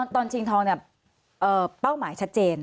ชิงทองเนี่ยเป้าหมายชัดเจน